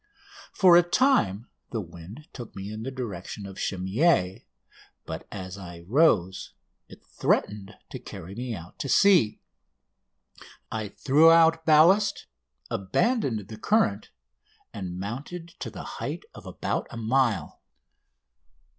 For a time the wind took me in the direction of Cimiez, but as I rose it threatened to carry me out to sea. I threw out ballast, abandoned the current, and mounted to the height of about a mile.